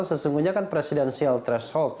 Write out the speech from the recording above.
sesungguhnya kan presidensial threshold